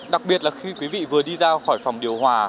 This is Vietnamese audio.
đặc biệt là khi quý vị vừa đi ra khỏi phòng điều hòa